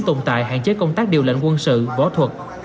tồn tại hạn chế công tác điều lệnh quân sự võ thuật